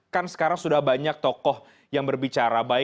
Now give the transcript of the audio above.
kan sekarang sudah banyak tokoh yang berbicara